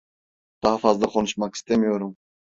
Daha fazla konuşmak istemiyorum.